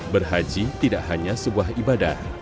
berhaji tidak hanya sebuah ibadah